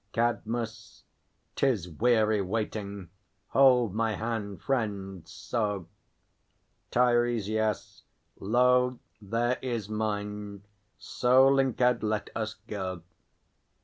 CADMUS. 'Tis weary waiting; hold my hand, friend; so. TEIRESIAS. Lo, there is mine. So linkèd let us go.